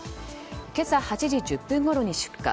今朝８時１０分ごろに出火。